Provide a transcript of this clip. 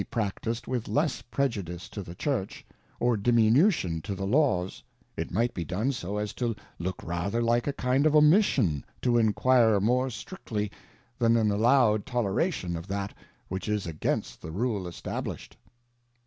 practis'd with less prejudice to the^ehurcK^ or diminutiaiLla tlie iiawsj it might be done so as to loOtr rather like a kind Omission to enquire more strictly^ than an allow'd Toleration of that which is against the Rule established.